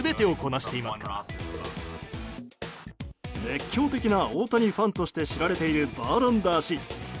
熱狂的な大谷ファンとして知られているバーランダー氏。